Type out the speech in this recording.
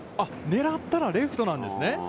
狙ったらレフトなんですね。